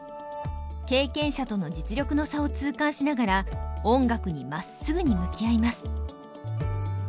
経験者との実力の差を痛感しながら音楽にまっすぐに向き合います。